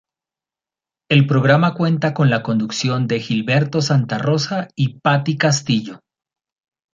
El programa cuenta con la conducción de Gilberto Santa Rosa y Patty Castillo.